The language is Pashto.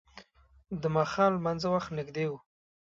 د ماښام لمانځه وخت نږدې و.